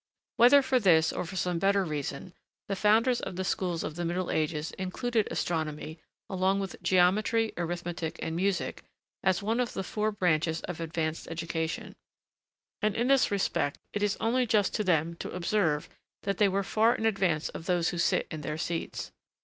Whether for this, or for some better reason, the founders of the schools of the Middle Ages included astronomy, along with geometry, arithmetic, and music, as one of the four branches of advanced education; and, in this respect, it is only just to them to observe that they were far in advance of those who sit in their seats.